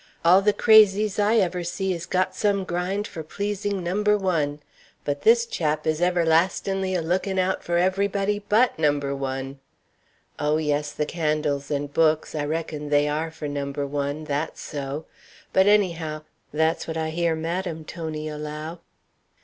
All the crazies I ever see is got some grind for pleasing number one; but this chap is everlastin'ly a lookin' out for everybody but number one. Oh, yes, the candles and books, I reckon they are for number one, that's so; but anyhow, that's what I hear Madame Tony allow."